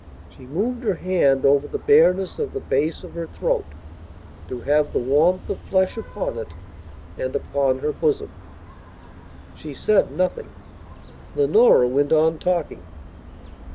She moved her hand over the bareness of the base of her throat, to have the warmth of flesh upon it and upon her bosom. She said nothing; Leonora went on talking....